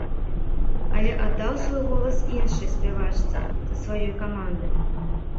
Але аддаў свой голас іншай спявачцы са сваёй каманды.